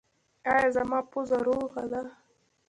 ایا زما پوزه روغه ده؟